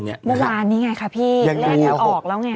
เมื่อวานนี่ไงค่ะพี่แรกออกแล้วไง